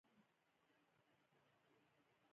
لوگر د افغانانو د ژوند طرز اغېزمنوي.